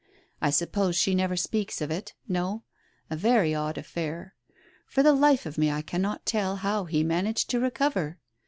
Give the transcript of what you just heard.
I suppose she never speaks of it? No ? A very odd affair. For the life of me I cannot tell how he managed to recover.